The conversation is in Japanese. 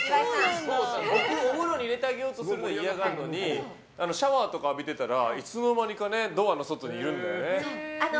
僕、お風呂に入れてあげようとするのは嫌がるのにシャワーとか浴びてたらいつのまにかドアの外にいるんだよね。